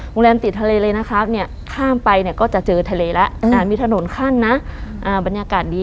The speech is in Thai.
โรงแรมติดทะเลเลยนะครับเนี่ยข้ามไปเนี่ยก็จะเจอทะเลแล้วมีถนนขั้นนะบรรยากาศดี